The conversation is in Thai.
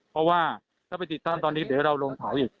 เพราะว่าถ้าไปติดถ้ำตอนนี้เดี๋ยวเราลงเขาอีก